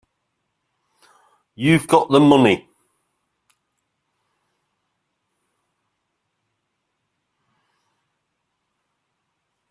You've got the money.